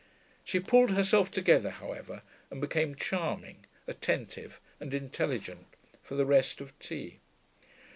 She pulled herself together, however, and became charming, attentive, and intelligent for the rest of tea.